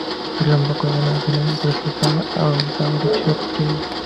বিল্বন কহিলেন, অধিক বুঝিবার আবশ্যক কী।